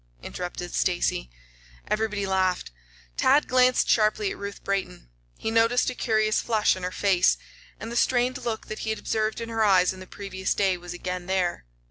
interrupted Stacy. Everybody laughed. Tad glanced sharply at Ruth Brayton. He noticed a curious flush on her face, and the strained look that he had observed in her eyes on the previous day was again there.